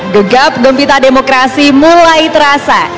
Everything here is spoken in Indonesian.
gegap gempita demokrasi mulai terasa